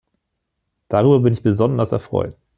Darüber bin ich besonders erfreut.